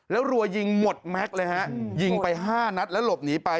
แล้วรัวยิงหมดแม็กซ์เลยฮะยิงไป๕นัดแล้วหลบหนีไป